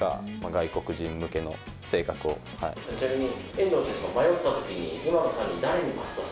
ちなみに。